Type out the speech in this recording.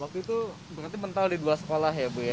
waktu itu berarti mental di dua sekolah ya bu ya